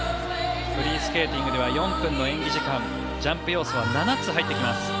フリースケーティングでは４分の演技時間ジャンプ要素は７つ入ってきます。